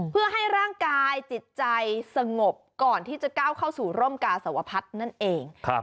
เพื่อให้ร่างกายจิตใจสงบก่อนที่จะก้าวเข้าสู่ร่มกาสวพัฒน์นั่นเอง